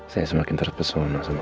saya semakin terpesona sama kamu